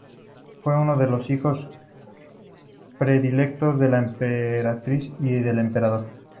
Fue uno de los hijos predilectos de la emperatriz y del emperador.